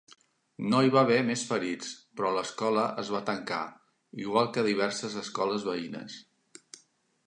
No hi va haver més ferits, però l'escola es va tancar, igual que diverses escoles veïnes.